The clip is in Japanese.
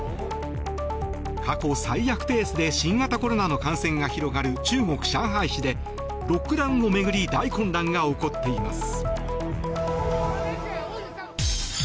過去最悪ペースで新型コロナの感染が広がる中国・上海市でロックダウンを巡り大混乱が起こっています。